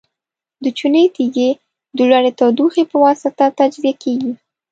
د چونې تیږې د لوړې تودوخې په واسطه تجزیه کیږي.